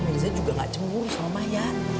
mirza juga gak cemburu sama maya